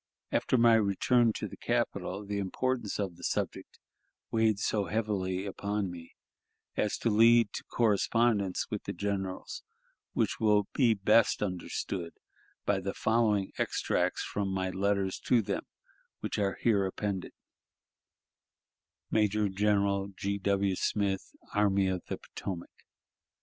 After my return to the capital, the importance of the subject weighed so heavily upon me as to lead to correspondence with the generals, which will be best understood by the following extracts from my letters to them which are here appended: "Major General G. W. Smith, Army of Potomac.